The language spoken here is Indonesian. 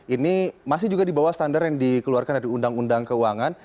ini masih juga di bawah standar yang dikeluarkan dari undang undang keuangan